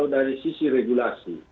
dari sisi regulasi